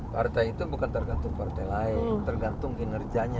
partai itu bukan tergantung partai lain tergantung kinerjanya